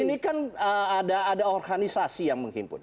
ini kan ada organisasi yang menghimpun